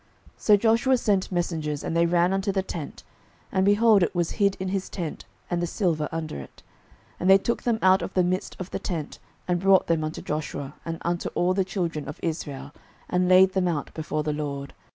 06:007:022 So Joshua sent messengers, and they ran unto the tent; and, behold, it was hid in his tent, and the silver under it. 06:007:023 And they took them out of the midst of the tent, and brought them unto Joshua, and unto all the children of Israel, and laid them out before the LORD.